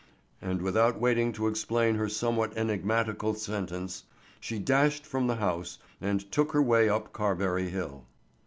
And without waiting to explain her somewhat enigmatical sentence she dashed from the house and took her way up Carberry hill.